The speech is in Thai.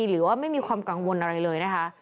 หรือว่าไม่มีความกังวลอะไรเลยนะคะ